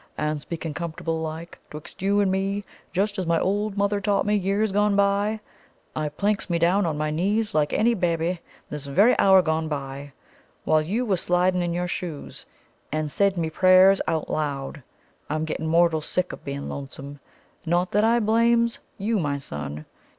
And speakin' comfortable like, 'twixt you and me, just as my old mother taught me years gone by, I planks me down on my knees like any babby this very hour gone by, while you was sliding in your shoes, and said me prayers out loud. I'm getting mortal sick of being lonesome. Not that I blames you, my son.